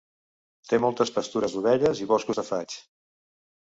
Té moltes pastures d'ovelles i boscos de faigs.